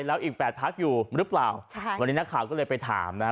แล้วอีกแปดพักอยู่หรือเปล่าใช่วันนี้นักข่าวก็เลยไปถามนะฮะ